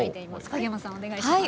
影山さんお願いします。